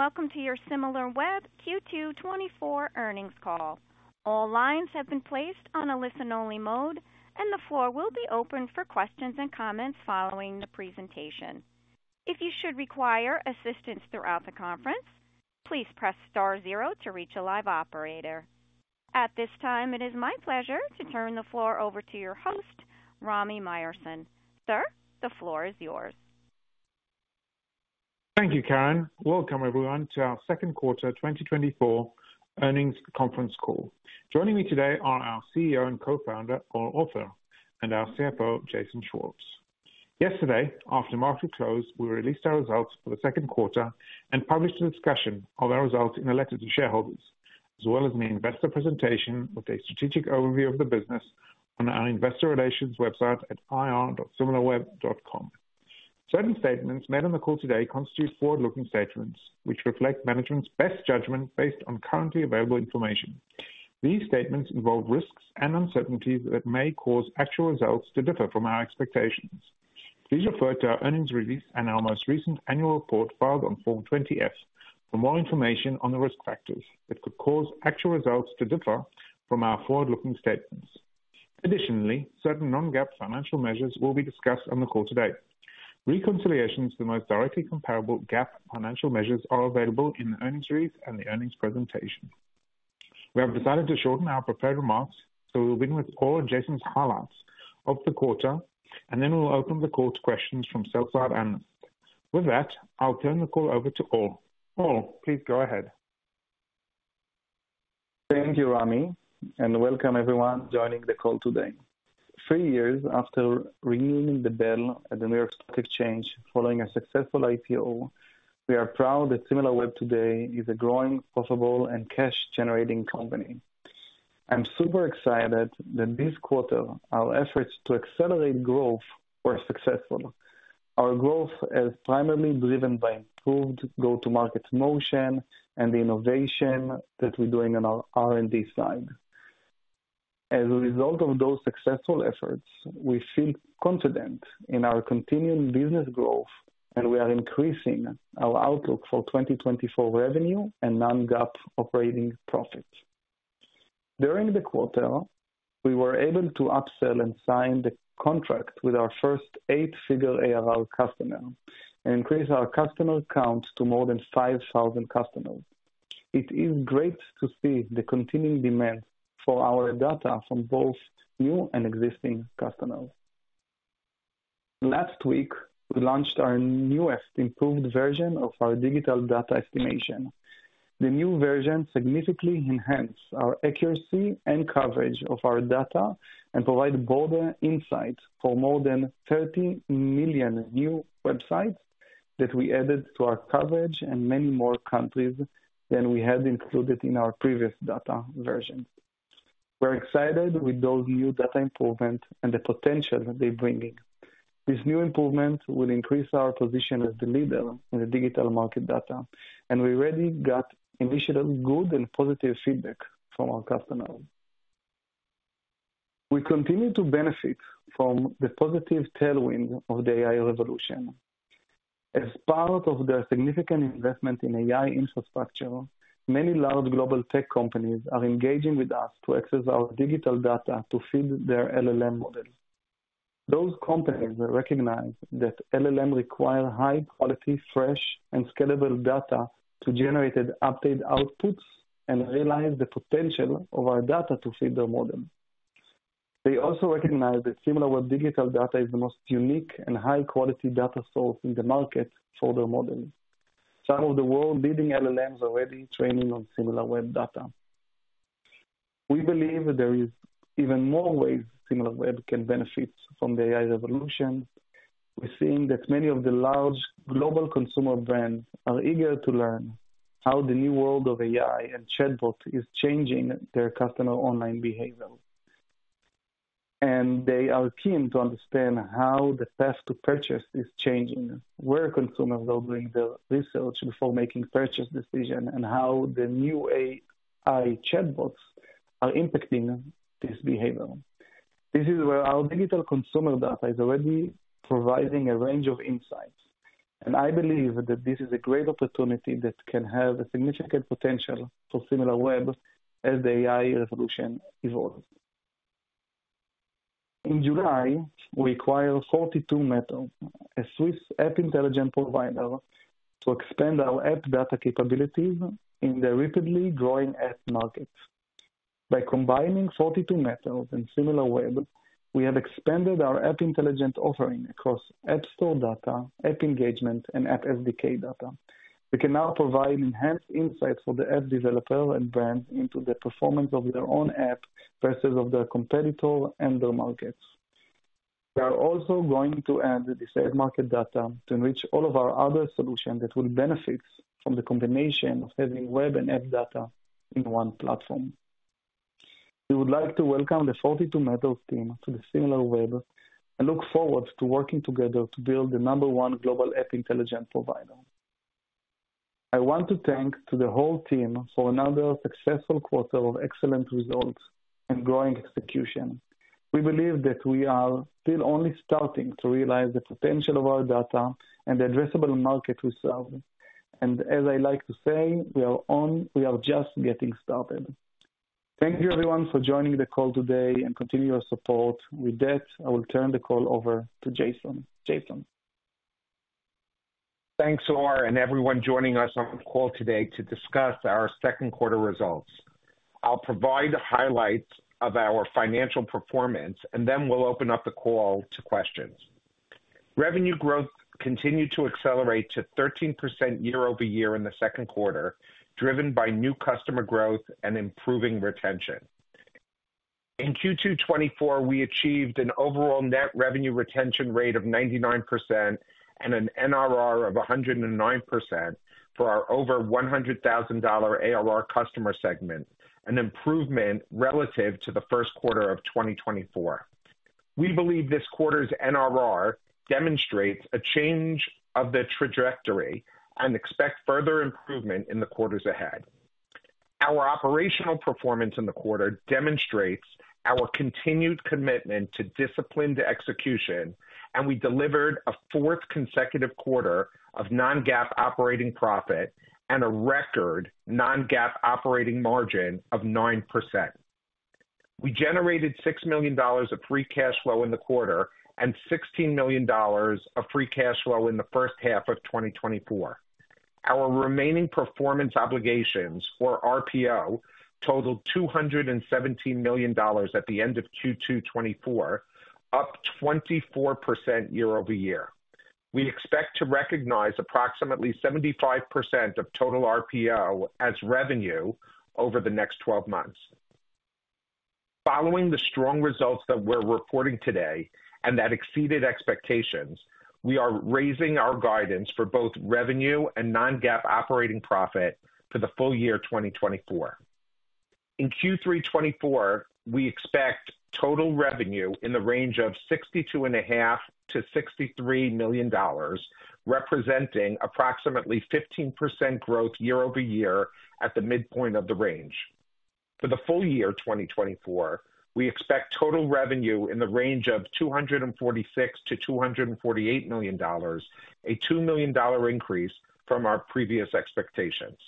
Welcome to your Similarweb Q2 2024 earnings call. All lines have been placed on a listen-only mode, and the floor will be open for questions and comments following the presentation. If you should require assistance throughout the conference, please press star zero to reach a live operator. At this time, it is my pleasure to turn the floor over to your host, Rami Myerson. Sir, the floor is yours. Thank you, Karen. Welcome, everyone, to our Q2 2024 Earnings Conference Call. Joining me today are our CEO and co-founder, Or Offer, and our CFO, Jason Schwartz. Yesterday, after market close, we released our results for the Q2 and published a discussion of our results in a letter to shareholders, as well as an investor presentation with a strategic overview of the business on our investor relations website at ir.similarweb.com. Certain statements made on the call today constitute forward-looking statements, which reflect management's best judgment based on currently available information. These statements involve risks and uncertainties that may cause actual results to differ from our expectations. Please refer to our earnings release and our most recent annual report filed on Form 20-F for more information on the risk factors that could cause actual results to differ from our forward-looking statements. Additionally, certain non-GAAP financial measures will be discussed on the call today. Reconciliations to the most directly comparable GAAP financial measures are available in the earnings release and the earnings presentation. We have decided to shorten our prepared remarks, so we'll begin with Or and Jason's highlights of the quarter, and then we'll open the call to questions from sell-side analysts. With that, I'll turn the call over to Or. Or, please go ahead. Thank you, Rami, and welcome everyone joining the call today. 3 years after ringing the bell at the New York Stock Exchange following a successful IPO, we are proud that Similarweb today is a growing, profitable, and cash-generating company. I'm super excited that this quarter our efforts to accelerate growth were successful. Our growth is primarily driven by improved go-to-market motion and the innovation that we're doing on our R&D side. As a result of those successful efforts, we feel confident in our continued business growth, and we are increasing our outlook for 2024 revenue and non-GAAP operating profits. During the quarter, we were able to upsell and sign the contract with our first eight-figure ARR customer and increase our customer count to more than 5,000 customers. It is great to see the continuing demand for our data from both new and existing customers. Last week, we launched our newest improved version of our digital data estimation. The new version significantly enhanced our accuracy and coverage of our data and provided broader insights for more than 30 million new websites that we added to our coverage in many more countries than we had included in our previous data version. We're excited with those new data improvements and the potential they're bringing. This new improvement will increase our position as the leader in the digital market data, and we already got initial good and positive feedback from our customers. We continue to benefit from the positive tailwind of the AI revolution. As part of the significant investment in AI infrastructure, many large global tech companies are engaging with us to access our digital data to feed their LLM models. Those companies recognize that LLMs require high-quality, fresh, and scalable data to generate updated outputs and realize the potential of our data to feed their models. They also recognize that Similarweb Digital Data is the most unique and high-quality data source in the market for their models. Some of the world's leading LLMs are already training on Similarweb data. We believe that there are even more ways Similarweb can benefit from the AI revolution. We're seeing that many of the large global consumer brands are eager to learn how the new world of AI and chatbots is changing their customer online behavior, and they are keen to understand how the path to purchase is changing, where consumers are doing their research before making purchase decisions, and how the new AI chatbots are impacting this behavior. This is where our digital consumer data is already providing a range of insights, and I believe that this is a great opportunity that can have a significant potential for Similarweb as the AI revolution evolves. In July, we acquired 42matters, a Swiss app intelligence provider, to expand our app data capabilities in the rapidly growing app market. By combining 42matters and Similarweb, we have expanded our app intelligence offering across app store data, app engagement, and app SDK data. We can now provide enhanced insights for the app developer and brands into the performance of their own app versus that of their competitor and their markets. We are also going to add the app market data to enrich all of our other solutions that will benefit from the combination of having web and app data in one platform. We would like to welcome the 42matters team to the Similarweb and look forward to working together to build the number one global app intelligence provider. I want to thank the whole team for another successful quarter of excellent results and growing execution. We believe that we are still only starting to realize the potential of our data and the addressable market we serve. And as I like to say, we are just getting started. Thank you, everyone, for joining the call today and continuing your support. With that, I will turn the call over to Jason. Jason. Thanks, Or, and everyone joining us on the call today to discuss our Q2 results. I'll provide the highlights of our financial performance, and then we'll open up the call to questions. Revenue growth continued to accelerate to 13% year-over-year in the Q2, driven by new customer growth and improving retention. In Q2 2024, we achieved an overall net revenue retention rate of 99% and an NRR of 109% for our over $100,000 ARR customer segment, an improvement relative to the Q1 of 2024. We believe this quarter's NRR demonstrates a change of the trajectory and expect further improvement in the quarters ahead. Our operational performance in the quarter demonstrates our continued commitment to disciplined execution, and we delivered a fourth consecutive quarter of non-GAAP operating profit and a record non-GAAP operating margin of 9%. We generated $6 million of free cash flow in the quarter and $16 million of free cash flow in the first half of 2024. Our remaining performance obligations, or RPO, totaled $217 million at the end of Q2 2024, up 24% year over year. We expect to recognize approximately 75% of total RPO as revenue over the next 12 months. Following the strong results that we're reporting today and that exceeded expectations, we are raising our guidance for both revenue and non-GAAP operating profit for the full year 2024. In Q3 2024, we expect total revenue in the range of $62.5-$63 million, representing approximately 15% growth year over year at the midpoint of the range. For the full year 2024, we expect total revenue in the range of $246-$248 million, a $2 million increase from our previous expectations.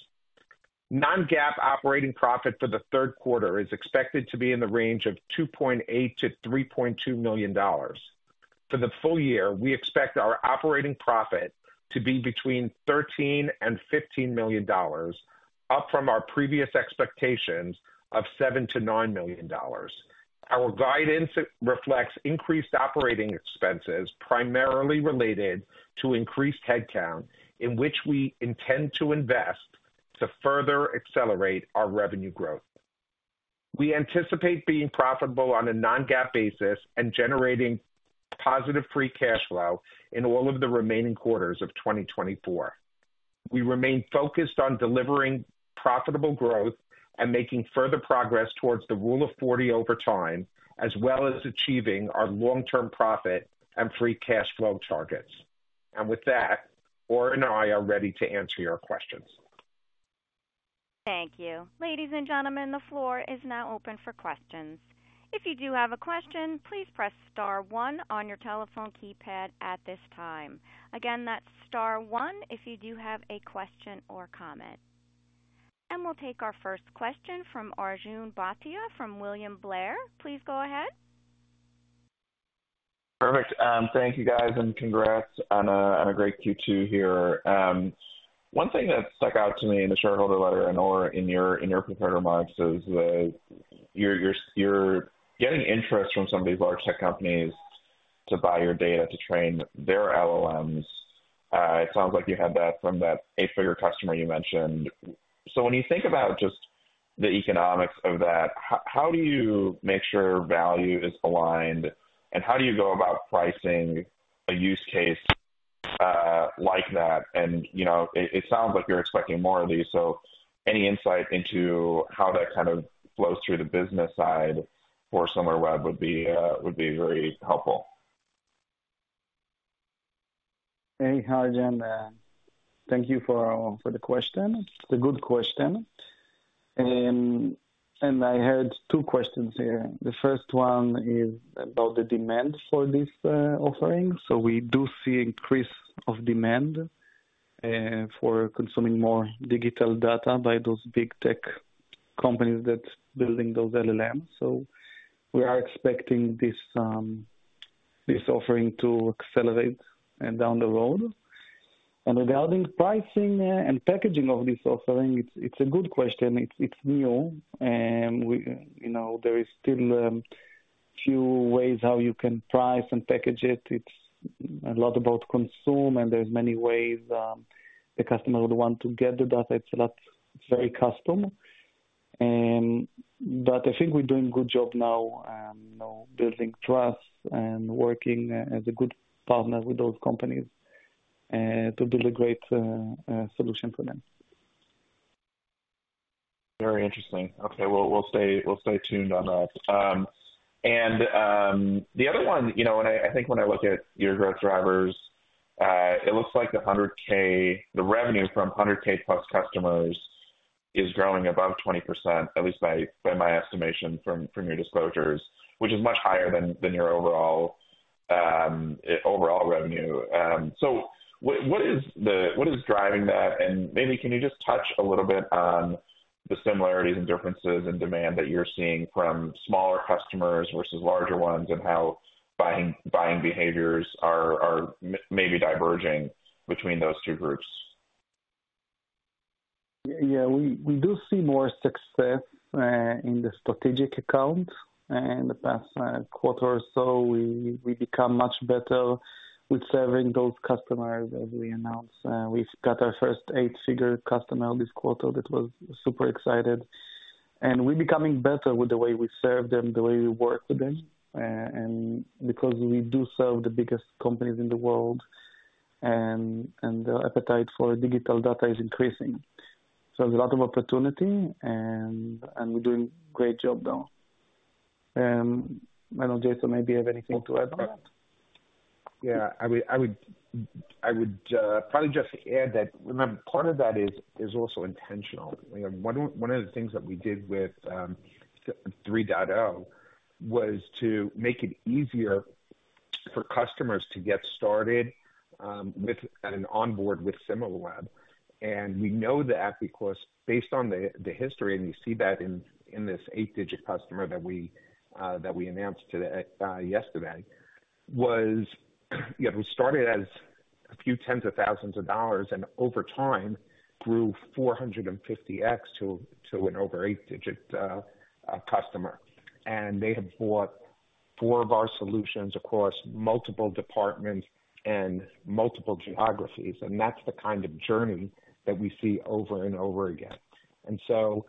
non-GAAP operating profit for the Q3 is expected to be in the range of $2.8-$3.2 million. For the full year, we expect our operating profit to be between $13 and $15 million, up from our previous expectations of $7-$9 million. Our guidance reflects increased operating expenses primarily related to increased headcount, in which we intend to invest to further accelerate our revenue growth. We anticipate being profitable on a non-GAAP basis and generating positive free cash flow in all of the remaining quarters of 2024. We remain focused on delivering profitable growth and making further progress towards the Rule of 40 over time, as well as achieving our long-term profit and free cash flow targets. And with that, Or and I are ready to answer your questions. Thank you. Ladies and gentlemen, the floor is now open for questions. If you do have a question, please press star one on your telephone keypad at this time. Again, that's star one if you do have a question or comment. We'll take our first question from Arjun Bhatia from William Blair. Please go ahead. Perfect. Thank you, guys, and congrats on a great Q2 here. One thing that stuck out to me in the shareholder letter and/or in your prepared remarks is you're getting interest from some of these large tech companies to buy your data to train their LLMs. It sounds like you had that from that eight-figure customer you mentioned. So when you think about just the economics of that, how do you make sure value is aligned, and how do you go about pricing a use case like that? And it sounds like you're expecting more of these, so any insight into how that kind of flows through the business side for Similarweb would be very helpful. Hey, hi, Jen. Thank you for the question. It's a good question. And I had two questions here. The first one is about the demand for this offering. So we do see an increase of demand for consuming more digital data by those big tech companies that are building those LLMs. So we are expecting this offering to accelerate down the road. And regarding pricing and packaging of this offering, it's a good question. It's new. There are still a few ways how you can price and package it. It's a lot about consumption, and there are many ways the customer would want to get the data. It's very custom. But I think we're doing a good job now, building trust and working as a good partner with those companies to build a great solution for them. Very interesting. Okay, we'll stay tuned on that. And the other one, you know, and I think when I look at your growth drivers, it looks like the revenue from 100K plus customers is growing above 20%, at least by my estimation from your disclosures, which is much higher than your overall revenue. So what is driving that? And maybe can you just touch a little bit on the similarities and differences in demand that you're seeing from smaller customers versus larger ones and how buying behaviors are maybe diverging between those two groups? Yeah, we do see more success in the strategic accounts. In the past quarter or so, we've become much better with serving those customers as we announced. We've got our first eight-figure customer this quarter that was super excited. And we're becoming better with the way we serve them, the way we work with them, because we do serve the biggest companies in the world, and the appetite for digital data is increasing. So there's a lot of opportunity, and we're doing a great job now. I don't know, Jason, maybe you have anything to add to that? Yeah, I would probably just add that part of that is also intentional. One of the things that we did with 3.0 was to make it easier for customers to get started and onboard with Similarweb. And we know that because based on the history, and you see that in this eight-digit customer that we announced yesterday, was we started as a few tens of thousands of dollars and over time grew 450x to an over-eight-digit customer. And they have bought 4 of our solutions across multiple departments and multiple geographies. And that's the kind of journey that we see over and over again. And so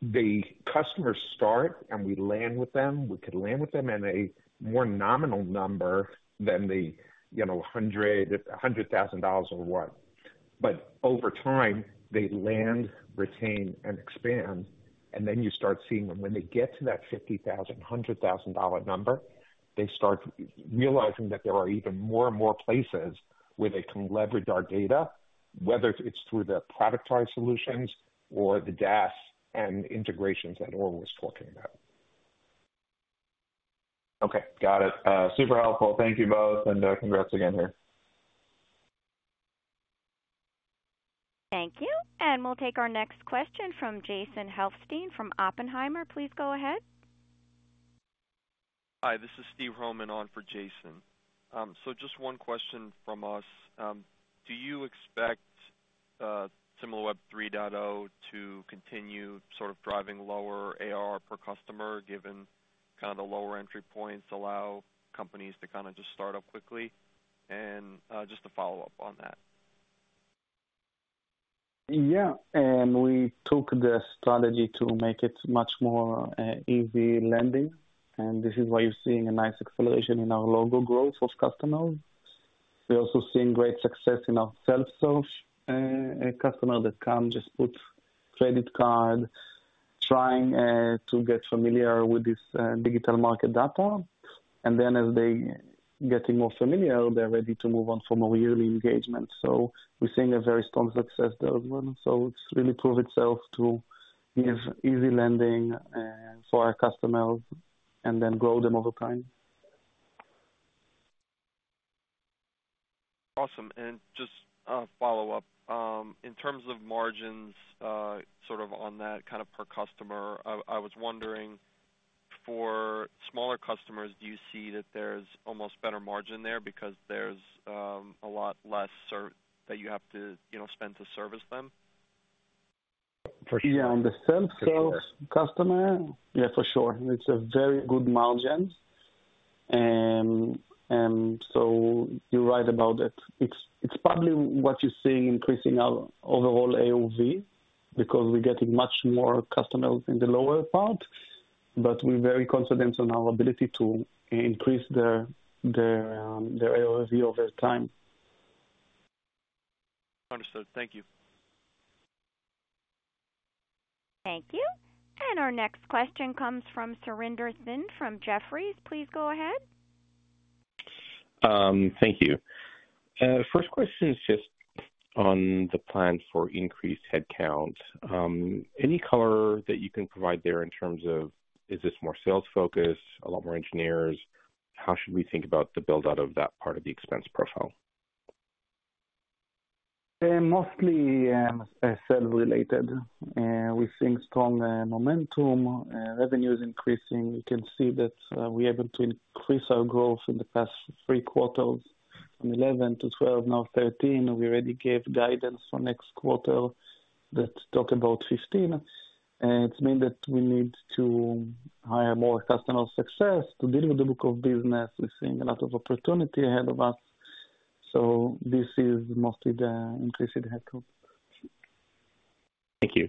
the customers start, and we land with them. We could land with them at a more nominal number than the $100,000 or what. But over time, they land, retain, and expand, and then you start seeing when they get to that $50,000, $100,000 number, they start realizing that there are even more and more places where they can leverage our data, whether it's through the productized solutions or the DAS and integrations that Or was talking about. Okay, got it. Super helpful. Thank you both, and congrats again here. Thank you. And we'll take our next question from Jason Helfstein from Oppenheimer. Please go ahead. Hi, this is Steve Roman on for Jason. So just one question from us. Do you expect Similarweb 3.0 to continue sort of driving lower ARR per customer given kind of the lower entry points allow companies to kind of just start up quickly? And just to follow up on that. Yeah, and we took the strategy to make it much more easy lending. And this is why you're seeing a nice acceleration in our logo growth of customers. We're also seeing great success in our self-serve customers that come just put credit card, trying to get familiar with this digital market data. And then as they're getting more familiar, they're ready to move on for more yearly engagement. So we're seeing a very strong success there as well. So it's really proved itself to give easy lending for our customers and then grow them over time. Awesome. And just a follow-up. In terms of margins, sort of on that kind of per customer, I was wondering, for smaller customers, do you see that there's almost better margin there because there's a lot less that you have to spend to service them? Yeah, on the self-serve customer, yeah, for sure. It's a very good margin. And so you're right about it. It's probably what you're seeing increasing our overall AOV because we're getting much more customers in the lower part, but we're very confident on our ability to increase their AOV over time. Understood. Thank you. Thank you. Our next question comes from Surinder Thind from Jefferies. Please go ahead. Thank you. First question is just on the plan for increased headcount. Any color that you can provide there in terms of, is this more sales-focused, a lot more engineers? How should we think about the build-out of that part of the expense profile? Mostly sales-related. We're seeing strong momentum, revenues increasing. You can see that we're able to increase our growth in the past three quarters, from 11 to 12, now 13. We already gave guidance for next quarter that talked about 15. It's meant that we need to hire more customer success to deal with the book of business. We're seeing a lot of opportunity ahead of us. So this is mostly the increase in headcount. Thank you.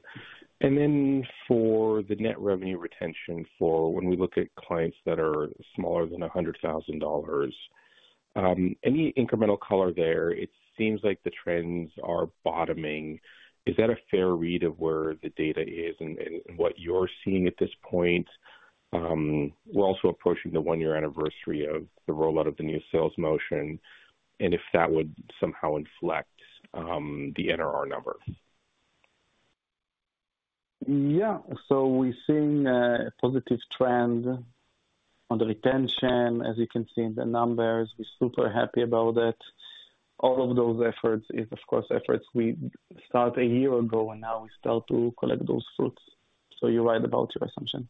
Then for the Net Revenue Retention for when we look at clients that are smaller than $100,000, any incremental color there? It seems like the trends are bottoming. Is that a fair read of where the data is and what you're seeing at this point? We're also approaching the 1-year anniversary of the rollout of the new sales motion, and if that would somehow inflect the NRR number. Yeah, so we're seeing a positive trend on the retention. As you can see in the numbers, we're super happy about it. All of those efforts is, of course, efforts we started a year ago, and now we start to collect those fruits. So you're right about your assumption.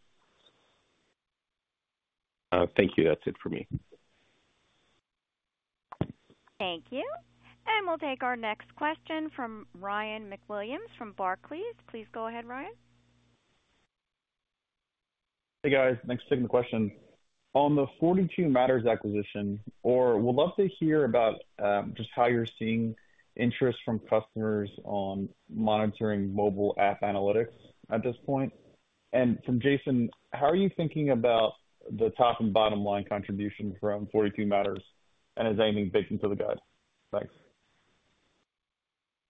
Thank you. That's it for me. Thank you. We'll take our next question from Ryan McWilliams from Barclays. Please go ahead, Ryan. Hey, guys. Next segment question. On the 42matters acquisition, Or, we'd love to hear about just how you're seeing interest from customers on monitoring mobile app analytics at this point. And from Jason, how are you thinking about the top and bottom line contribution from 42matters? And is anything baked into the guide? Thanks.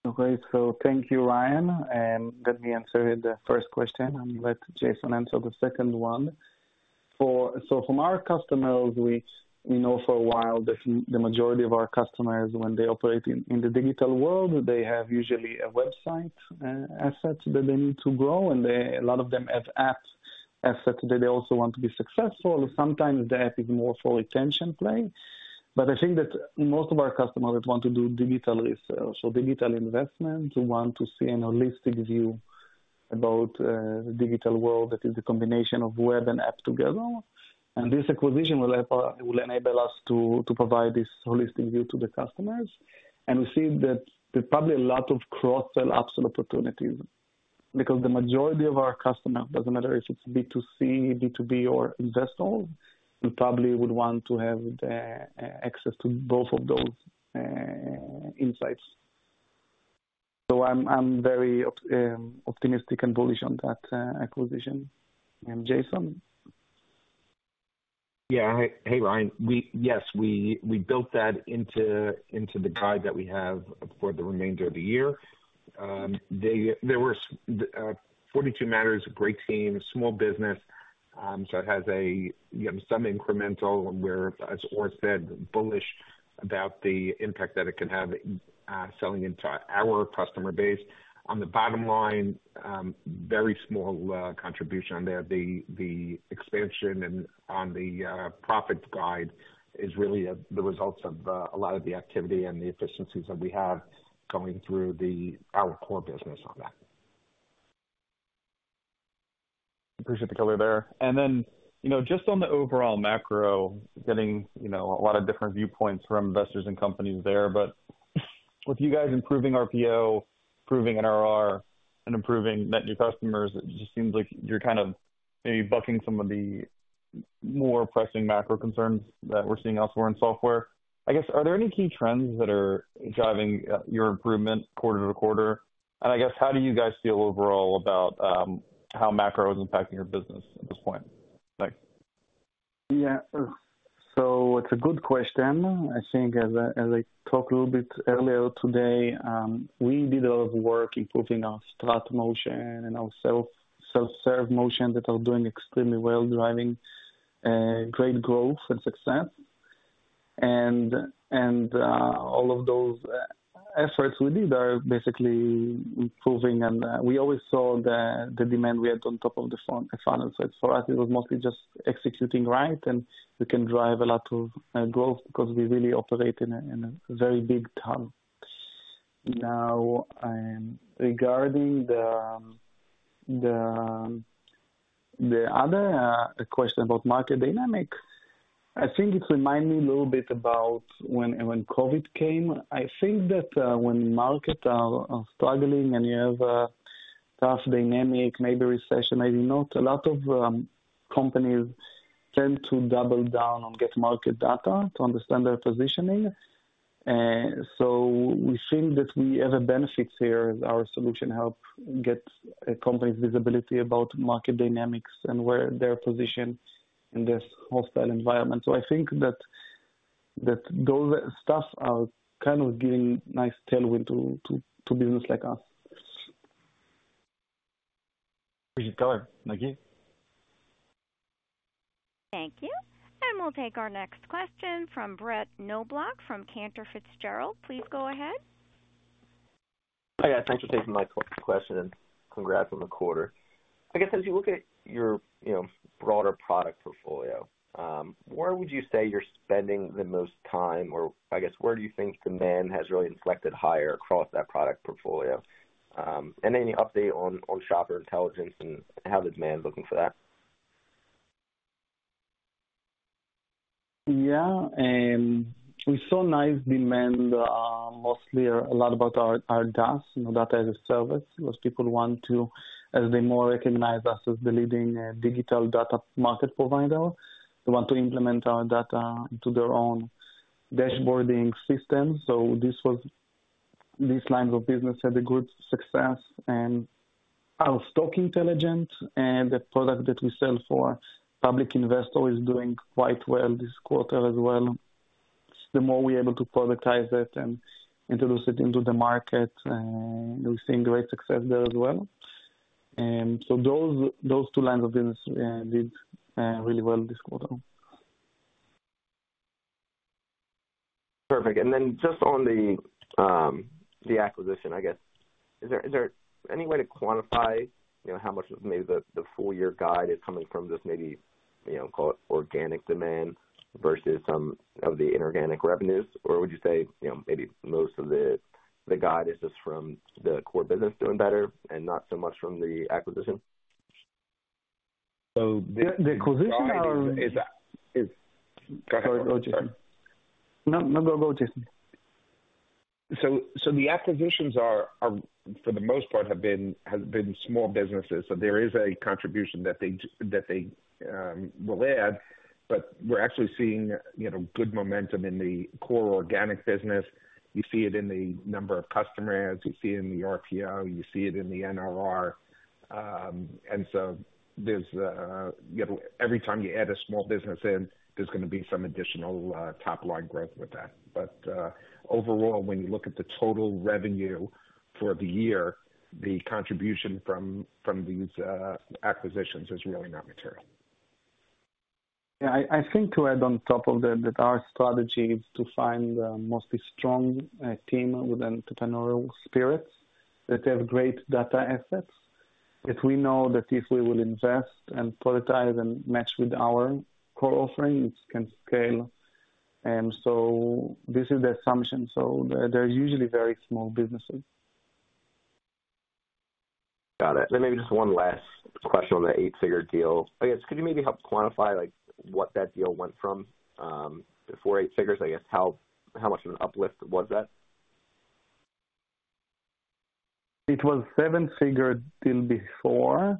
Okay, so thank you, Ryan. Let me answer the first question. I'm glad Jason answered the second one. From our customers, we know for a while that the majority of our customers, when they operate in the digital world, they have usually a website asset that they need to grow, and a lot of them have app assets that they also want to be successful. Sometimes the app is more for retention play. But I think that most of our customers want to do digital research or digital investment, want to see a holistic view about the digital world that is a combination of web and app together. This acquisition will enable us to provide this holistic view to the customers. We see that there's probably a lot of cross-sell opportunities because the majority of our customers, doesn't matter if it's B2C, B2B, or investments, probably would want to have access to both of those insights. I'm very optimistic and bullish on that acquisition. Jason? Yeah, hey, Ryan. Yes, we built that into the guide that we have for the remainder of the year. There were 42matters, a great team, small business. So it has some incremental where, as Or said, bullish about the impact that it can have selling into our customer base. On the bottom line, very small contribution on there. The expansion on the profit guide is really the results of a lot of the activity and the efficiencies that we have going through our core business on that. Appreciate the color there. And then just on the overall macro, getting a lot of different viewpoints from investors and companies there. But with you guys improving RPO, improving NRR, and improving net new customers, it just seems like you're kind of maybe bucking some of the more pressing macro concerns that we're seeing elsewhere in software. I guess, are there any key trends that are driving your improvement quarter-to-quarter? And I guess, how do you guys feel overall about how macro is impacting your business at this point? Thanks. Yeah, so it's a good question. I think as I talked a little bit earlier today, we did a lot of work improving our strat motion and our self-serve motion that are doing extremely well, driving great growth and success. And all of those efforts we did are basically improving. And we always saw the demand we had on top of the funnel. So for us, it was mostly just executing right, and we can drive a lot of growth because we really operate in a very big hub. Now, regarding the other question about market dynamics, I think it reminds me a little bit about when COVID came. I think that when markets are struggling and you have a tough dynamic, maybe recession, maybe not, a lot of companies tend to double down on getting market data to understand their positioning. We think that we have a benefit here as our solution helps get companies' visibility about market dynamics and where they're positioned in this hostile environment. I think that those stuff are kind of giving a nice tailwind to businesses like us. Appreciate the color. Thank you. Thank you. And we'll take our next question from Brett Knoblauch from Cantor Fitzgerald. Please go ahead. Hi, guys. Thanks for taking my question and congrats on the quarter. I guess, as you look at your broader product portfolio, where would you say you're spending the most time? Or I guess, where do you think demand has really inflected higher across that product portfolio? And any update on Shopper Intelligence and how the demand's looking for that? Yeah, we saw nice demand, mostly a lot about our DAS, Data as a Service, because people want to, as they more recognize us as the leading digital data market provider, they want to implement our data into their own dashboarding system. So these lines of business had a good success. And our Stock Intelligence and the product that we sell for public investors is doing quite well this quarter as well. The more we're able to productize it and introduce it into the market, we're seeing great success there as well. So those two lines of business did really well this quarter. Perfect. And then just on the acquisition, I guess, is there any way to quantify how much of maybe the full-year guide is coming from just maybe, call it, organic demand versus some of the inorganic revenues? Or would you say maybe most of the guide is just from the core business doing better and not so much from the acquisition? So the acquisition are. Sorry, go ahead. No, no, go ahead, Jason. So the acquisitions are, for the most part, have been small businesses. So there is a contribution that they will add. But we're actually seeing good momentum in the core organic business. You see it in the number of customers. You see it in the RPO. You see it in the NRR. And so every time you add a small business in, there's going to be some additional top-line growth with that. But overall, when you look at the total revenue for the year, the contribution from these acquisitions is really not material. Yeah, I think to add on top of that, our strategy is to find a mostly strong team with an entrepreneurial spirit that have great data assets, that we know that if we will invest and productize and match with our core offering, it can scale. And so this is the assumption. So they're usually very small businesses. Got it. And maybe just one last question on the eight-figure deal. I guess, could you maybe help quantify what that deal went from before eight figures? I guess, how much of an uplift was that? It was a seven-figure deal before,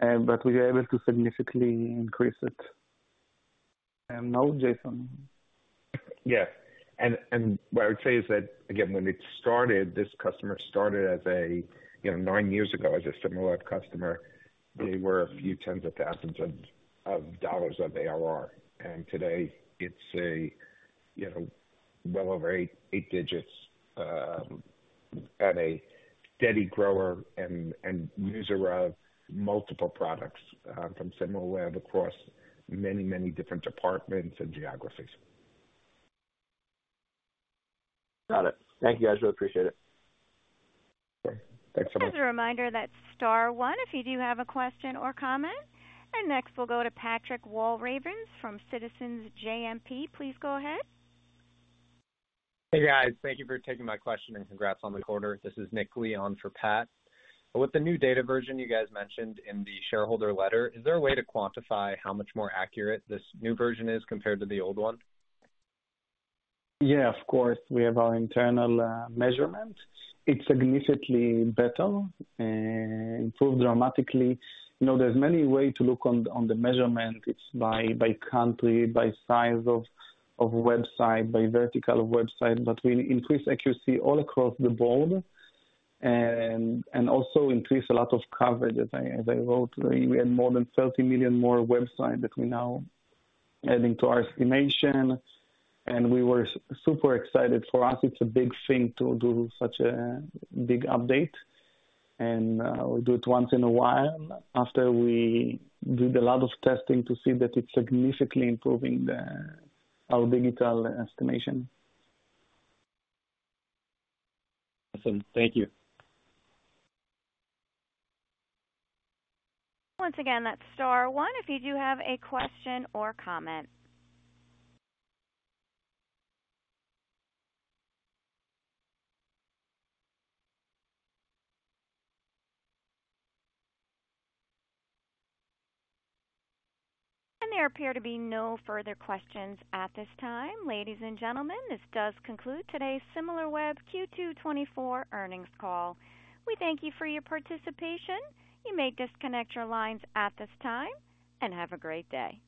but we were able to significantly increase it. And now, Jason. Yes. And what I would say is that, again, when it started, this customer started nine years ago as a Similarweb customer. They were a few tens of thousands of dollars of ARR. And today, it's well over eight digits as a steady grower and user of multiple products from Similarweb across many, many different departments and geographies. Got it. Thank you. I really appreciate it. Thanks so much. Just a reminder that star one, if you do have a question or comment. Next, we'll go to Patrick Walravens from Citizens JMP. Please go ahead. Hey, guys. Thank you for taking my question and congrats on the quarter. This is Nick Leone for Pat. With the new data version you guys mentioned in the shareholder letter, is there a way to quantify how much more accurate this new version is compared to the old one? Yeah, of course. We have our internal measurements. It's significantly better and improved dramatically. There's many ways to look on the measurements. It's by country, by size of website, by vertical of website. But we increased accuracy all across the board and also increased a lot of coverage. As I wrote, we had more than 30 million more websites that we're now adding to our estimation. And we were super excited. For us, it's a big thing to do such a big update. And we do it once in a while after we did a lot of testing to see that it's significantly improving our digital estimation. Awesome. Thank you. Once again, that's Star 1. If you do have a question or comment. There appear to be no further questions at this time. Ladies and gentlemen, this does conclude today's Similarweb Q2 2024 earnings call. We thank you for your participation. You may disconnect your lines at this time and have a great day.